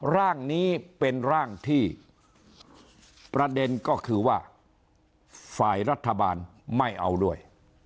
ร่างนี้เป็นร่างที่ประเด็นก็คือว่าฝ่ายรัฐบาลไม่เอาด้วย